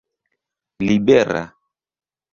libera